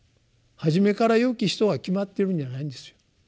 初めから「よき人」は決まってるんじゃないんですよ。